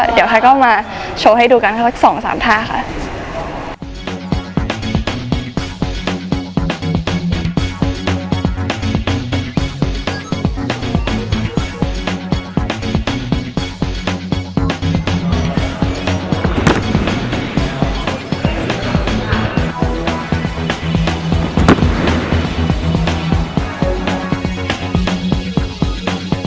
เดี๋ยวให้ก็มาโชว์ให้ดูกันสัก๒๓ท่าค่ะ